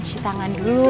cuci tangan dulu